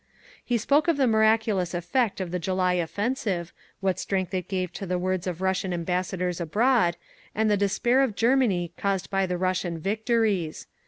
He spoke of the miraculous effect of the July offensive, what strength it gave to the words of Russian ambassadors abroad, and the despair in Germany caused by the Russian victories.